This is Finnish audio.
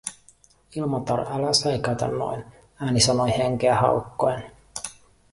"Ilmatar, älä säikäytä noin", ääni sanoi henkeä haukkoen.